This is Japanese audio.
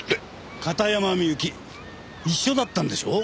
片山みゆき一緒だったんでしょう？